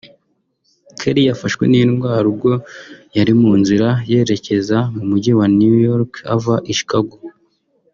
Kelly yafashwe n’indwara ubwo yari mu nzira yerekeza mu mujyi wa New York ava I Chicago